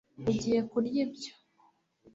ugiye kurya ibyo